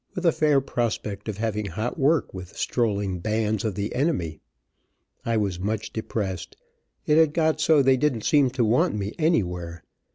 with a fair prospect of having hot work with strolling bands of the enemy. I was much depressed. It had got so they didn't seem to want me anywhere.